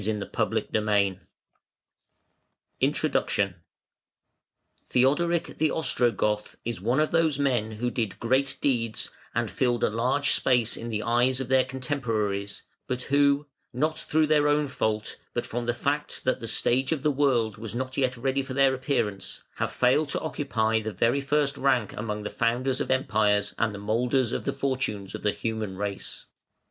INTRODUCTION. Theodoric the Ostrogoth is one of those men who did great deeds and filled a large space in the eyes of their contemporaries, but who, not through their own fault, but from the fact that the stage of the world was not yet ready for their appearance, have failed to occupy the very first rank among the founders of empires and the moulders of the fortunes of the human race.